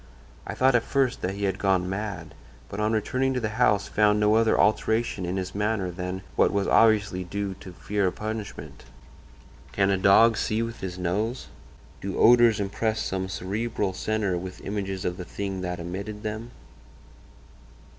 I thought at first that he had gone mad, but on returning to the house found no other alteration in his manner than what was obviously due to fear of punishment. "Can a dog see with his nose? Do odors impress some cerebral centre with images of the thing that emitted them?